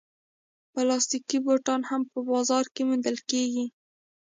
پلاستيکي بوټان هم بازار کې موندل کېږي.